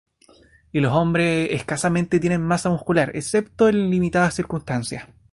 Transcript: Y los hombres escasamente tienen masa muscular, excepto en limitadas circunstancias.